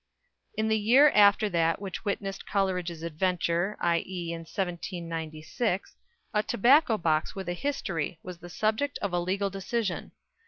In the year after that which witnessed Coleridge's adventure, i.e. in 1796, a tobacco box with a history was the subject of a legal decision.